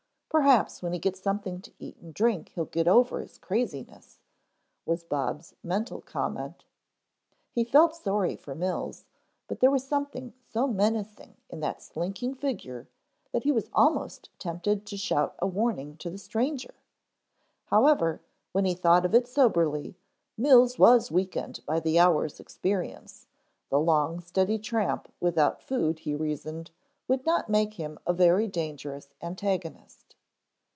Perhaps when he gets something to eat and drink he'll get over his craziness," was Bob's mental comment. He felt sorry for Mills, but there was something so menacing in that slinking figure that he was almost tempted to shout a warning to the stranger. However, when he thought of it soberly, Mills was weakened by the hour's experience, the long steady tramp without food he reasoned would not make him a very dangerous antagonist.